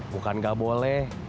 bukan gak boleh